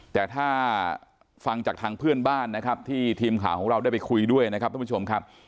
แต่ถ้าฟังจากทางเพื่อนบ้านนะครับที่ทีมข่าวของเราได้ไปคุยด้วยนะครับท่านผู้ชมครับ